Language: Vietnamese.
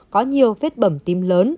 có nhiều vết bầm tim lớn